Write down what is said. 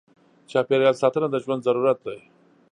چاپېریال ساتنه د ژوند ضرورت دی.